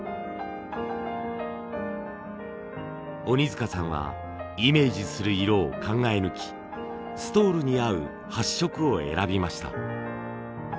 鬼塚さんはイメージする色を考え抜きストールに合う８色を選びました。